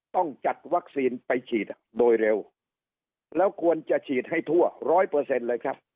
ต้องจัดวัคซีนไปฉีดโดยเร็วแล้วควรจะฉีดให้ทั่วร้อยเปอร์เซ็นต์เลยครับ